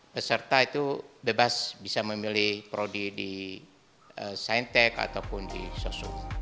peserta itu bebas bisa memilih prodi di scientech ataupun di sosok